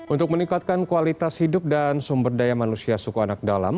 untuk meningkatkan kualitas hidup dan sumber daya manusia suku anak dalam